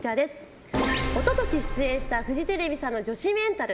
一昨年出演したフジテレビさんの「女子メンタル」。